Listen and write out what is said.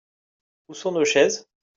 Où sont nos chaises ?